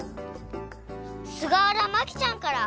すがわらまきちゃんから。